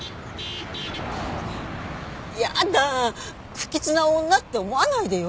不吉な女って思わないでよ？